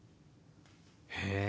へえ。